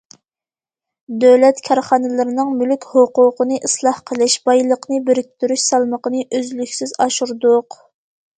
دۆلەت كارخانىلىرىنىڭ مۈلۈك ھوقۇقىنى ئىسلاھ قىلىش، بايلىقنى بىرىكتۈرۈش سالمىقىنى ئۈزلۈكسىز ئاشۇردۇق.